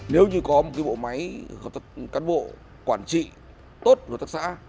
nếu như có một bộ máy các bộ quản trị tốt của hợp tác xã